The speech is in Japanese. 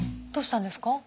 どうしたんですか？